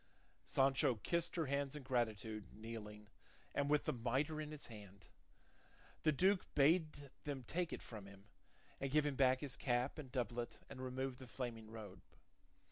Sancho kissed her hands in gratitude, kneeling, and with the mitre in his hand. The duke bade them take it from him, and give him back his cap and doublet and remove the flaming robe.